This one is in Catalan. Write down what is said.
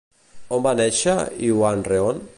A on va néixer Iwan Rheon?